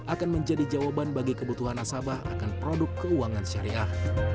akan menjadi jawaban bagi kebutuhan nasabah akan produk keuangan syariah